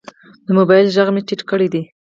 د موبایل غږ مې ټیټ کړی دی.